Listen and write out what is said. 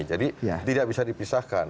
jadi tidak bisa dipisahkan